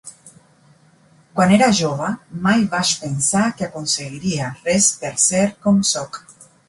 Quan era jove mai vaig pensar que aconseguiria res per ser com sóc.